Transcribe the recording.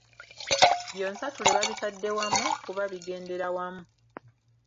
Byonsatule babitadde wamu, kuba bigendera wamu.